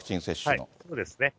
そうですね。